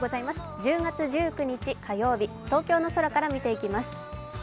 １０月１９日火曜日、東京の空から見ていきます。